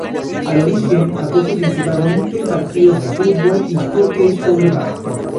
Al origen, acoge principalmente partidos de fútbol y hockey sobre pasto.